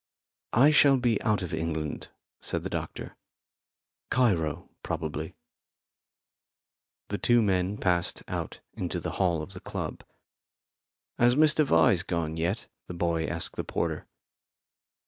"I shall be out of England," said the doctor. "Cairo, probably." The two men passed out into the hall of the club. "Has Mr Vyse gone yet?" the boy asked the porter.